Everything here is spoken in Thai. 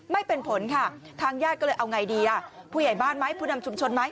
ไม่เป็นผลค่ะทางญาติก็เลยเอาไงดีอ่ะผู้ใหญ่บ้านไหมผู้นำชุมชนไหม